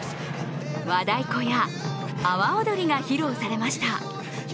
和太鼓や阿波おどりが披露されました。